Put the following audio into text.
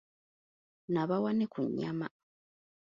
N'abawa ne ku nyama.